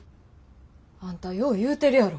あんたよう言うてるやろ。